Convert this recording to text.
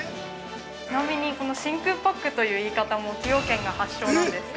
◆ちなみに、この真空パックという言い方も崎陽軒が発祥なんです。